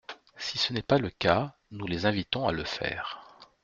Si ce n’est pas le cas, nous les invitons à le faire.